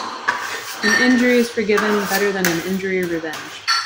An injury is forgiven better than an injury revenged.